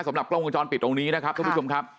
สำหรับกล้องกระจอนปิดตรงนี้นะครับท่านผู้ชมครับ